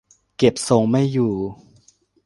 เก็บทรงไม่อยู่